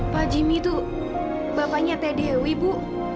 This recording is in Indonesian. pak jimmy itu bapaknya teh dewi bu